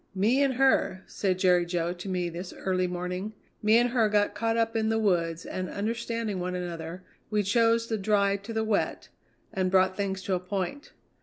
'Me and her,' said Jerry Jo to me this early morning, 'me and her got caught up in the woods, and, understanding one another, we chose the dry to the wet, and brought things to a point.